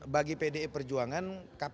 bagi pdi perjuangan